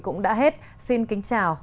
cũng đã hết xin kính chào